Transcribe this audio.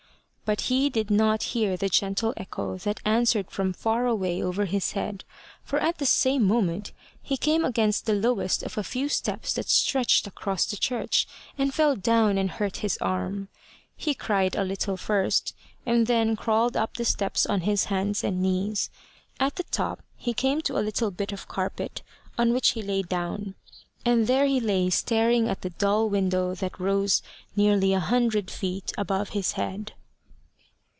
But he did not hear the gentle echo that answered from far away over his head, for at the same moment he came against the lowest of a few steps that stretched across the church, and fell down and hurt his arm. He cried a little first, and then crawled up the steps on his hands and knees. At the top he came to a little bit of carpet, on which he lay down; and there he lay staring at the dull window that rose nearly a hundred feet above his head.